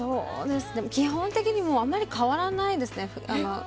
基本的にあまり変わらないです。